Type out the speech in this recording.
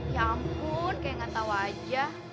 ya ampun kayak gak tau aja